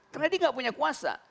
karena dia gak punya kuasa